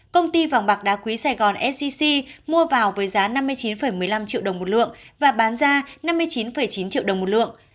công ty vàng bạc đá quý sài gòn sgc mua vào với giá năm mươi chín một mươi năm triệu đồng một lượng và bán ra năm mươi chín chín triệu đồng một lượng